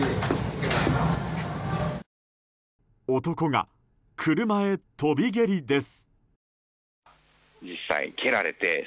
男が、車へ飛び蹴りです。